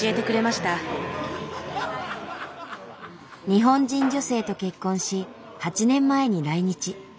日本人女性と結婚し８年前に来日。